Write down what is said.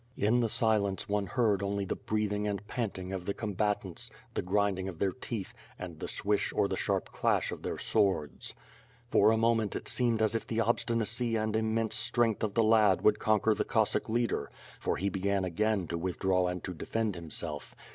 In the silence, one heard only the breathing and panting of the combatants, the grinding of their teeth, and the swish or the sharp clash of their sw^ords. For a moment it seemed as if the obstinacy and immense strength of the lad would conquer the Cossack leader, for he began a^^ain to withdraw and to defend himself.